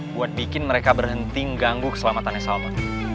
buat bikin mereka berhenti mengganggu keselamatannya salman